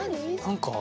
何か。